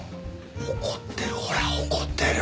怒ってるほら怒ってる。